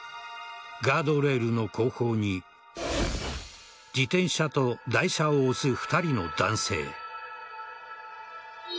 ガードレールの後方に自転車と台車を押す２人の男性。